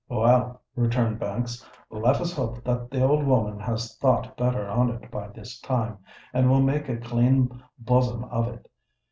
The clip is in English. "Well," returned Banks, "let us hope that the old woman has thought better on it by this time and will make a clean buzzim of it.